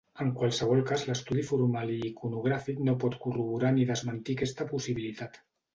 En qualsevol cas l'estudi formal i iconogràfic no pot corroborar ni desmentir aquesta possibilitat.